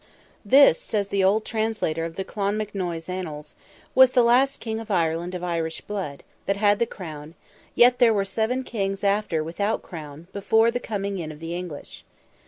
"This," says the old Translator of the Clonmacnoise Annals, "was the last king of Ireland of Irish blood, that had the crown; yet there were seven kings after without crown, before the coming in of the English."